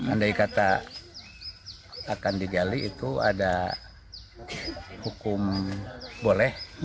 andai kata akan digali itu ada hukum boleh